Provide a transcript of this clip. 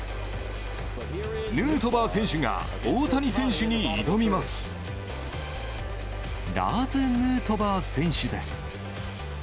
ヌートバー選手が、大谷選手ラーズ・ヌートバー選手です。